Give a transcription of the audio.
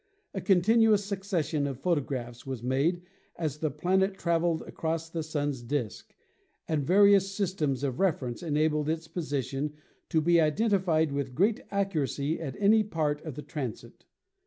A continuous succession of photographs was made as the planet traveled across the Sun's disk, and various sys tems of reference enabled its position to be identified with great accuracy at any part of the transit.